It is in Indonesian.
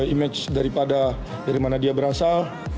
image daripada dari mana dia berasal